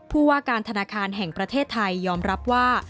ผู้ว่าการธนาคารแห่งประเทศไทยยอมรับว่า